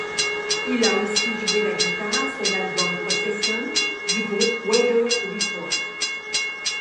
Il a aussi joué la guitare sur l'album Procession du groupe Weather Report.